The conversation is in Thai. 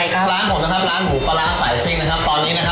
ขอบคุณน้องเทียนหนูกับอยู่ดมาก